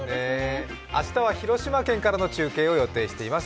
明日は広島県からの中継を予定しています。